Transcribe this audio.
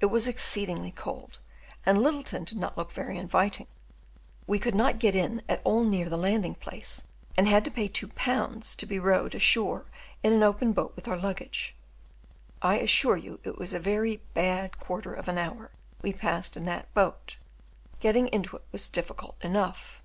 It was exceedingly cold, and Lyttleton did not look very inviting; we could not get in at all near the landing place, and had to pay 2 pounds to be rowed ashore in an open boat with our luggage. I assure you it was a very "bad quarter of an hour" we passed in that boat; getting into it was difficult enough.